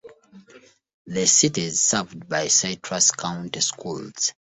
The city is served by Citrus County Schools.